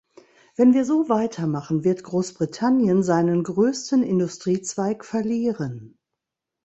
Wenn wir so weitermachen, wird Großbritannien seinen größten Industriezweig verlieren.